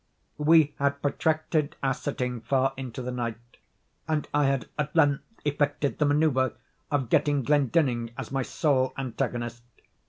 We had protracted our sitting far into the night, and I had at length effected the manoeuvre of getting Glendinning as my sole antagonist.